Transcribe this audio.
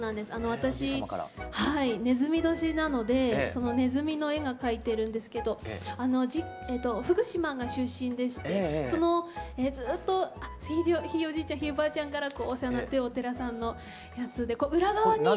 私ねずみ年なのでそのねずみの絵が描いてるんですけど福島が出身でしてずっとひいおじいちゃんひいおばあちゃんからお世話になってるお寺さんのやつでこれ裏側に。